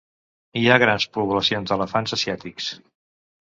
Hi ha grans poblacions d'elefants asiàtics.